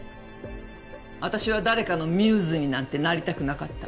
私は誰かのミューズになんてなりたくなかった。